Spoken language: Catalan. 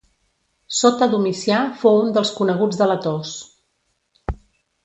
Sota Domicià fou un dels coneguts delators.